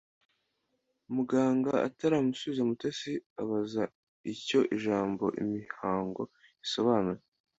Muganga ataramusubiza Mutesi abaza icyo ijambo imihango risobanura.